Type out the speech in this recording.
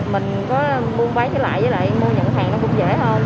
mình có mua bán trở lại với lại mua nhận hàng cũng dễ hơn